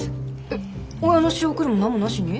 えっ親の仕送りも何もなしに？